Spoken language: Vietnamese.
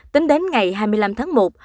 tính đến ngày hai mươi năm tháng một